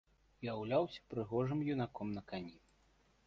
Уяўляўся прыгожым юнаком на кані.